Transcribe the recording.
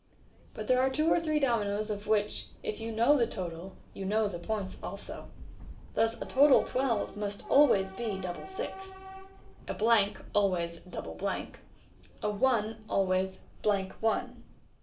But there are two or three dominoes of which, if you know the total, you know the points also. Thus a total " twelve " must be always " double six," a " blank " always " double blank," a " one " always " b'ank one."